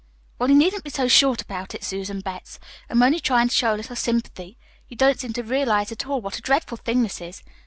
"Well, you needn't be so short about it, Susan Betts. I'm only tryin' to show a little sympathy. You don't seem to realize at all what a dreadful thing this is.